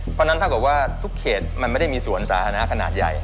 เพราะฉะนั้นเท่ากับว่าทุกเขตมันไม่ได้มีสวนสาธารณะขนาดใหญ่